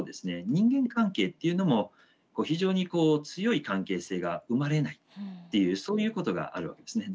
人間関係っていうのも非常にこう強い関係性が生まれないっていうそういうことがあるわけですね。